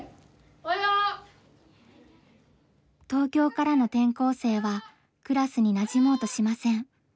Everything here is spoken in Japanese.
東京からの転校生はクラスになじもうとしません。